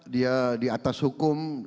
dia di atas hukum